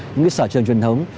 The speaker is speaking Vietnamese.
những sở trường truyền thống